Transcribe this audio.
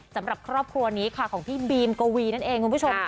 สำหรับครอบครัวนี้ค่ะของพี่บีมกวีนั่นเองคุณผู้ชม